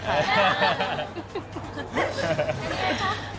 ห๊า